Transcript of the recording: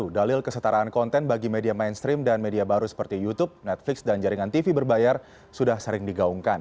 dalil kesetaraan konten bagi media mainstream dan media baru seperti youtube netflix dan jaringan tv berbayar sudah sering digaungkan